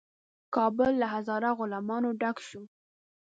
کابل له هزاره غلامانو ډک شو.